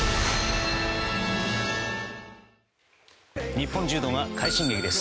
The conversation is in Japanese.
日本柔道が快進撃です。